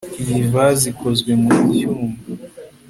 Iyi vase ikozwe mucyuma